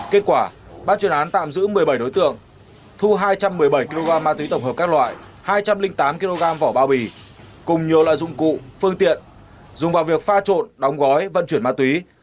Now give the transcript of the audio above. kết quả ban chuyên án tạm giữ một mươi bảy đối tượng thu hai trăm một mươi bảy kg ma túy tổng hợp các loại hai trăm linh tám kg vỏ bao bì cùng nhiều loại dụng cụ phương tiện dùng vào việc pha trộn đóng gói vận chuyển ma túy